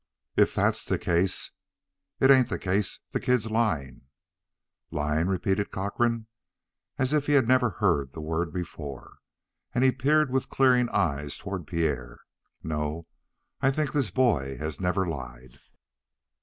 "If that's the case " "It ain't the case. The kid's lying." "Lying?" repeated Cochrane, as if he had never heard the word before, and he peered with clearing eyes toward Pierre. "No, I think this boy has never lied."